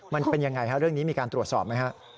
มันเป็นอย่างไรครับเรื่องนี้มีการตรวจสอบไหมครับ